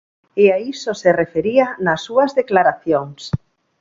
E a iso se refería nas súas declaracións.